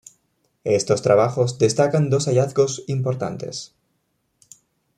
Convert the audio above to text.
Estos trabajos destacan dos hallazgos importantes.